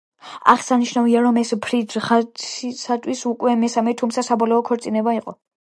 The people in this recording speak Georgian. აღსანიშნავია, რომ ეს ფრიდრიხისათვის უკვე მესამე, თუმცა საბოლოო ქორწინება იყო.